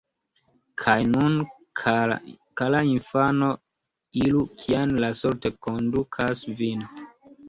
Kaj nun, kara infano, iru kien la sorto kondukas vin.